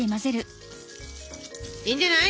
いいんじゃない？